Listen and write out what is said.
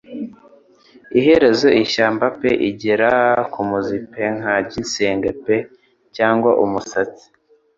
iherezo: ishyamba pe igera kumuzi pe nka ginseng pe cyangwa umusatsi